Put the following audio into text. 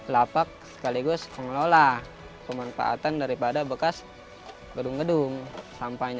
lapak sekaligus pengelola pemanfaatan daripada bekas gedung gedung sampahnya